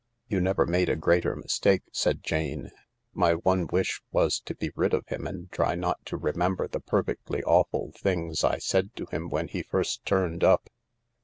"You never made a greater mistake," said Jane ; "my one wish was to be rid of him and try not to remember the perfectly awful things I said to him when he first turned up."